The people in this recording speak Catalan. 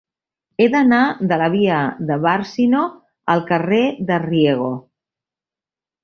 He d'anar de la via de Bàrcino al carrer de Riego.